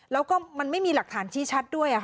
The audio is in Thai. แล้วก็มันไม่มีหลักฐานชี้ชัดด้วย